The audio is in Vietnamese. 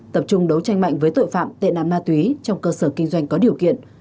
tập trung đấu tranh mạnh với tội phạm tệ nạn ma túy trong cơ sở kinh doanh có điều kiện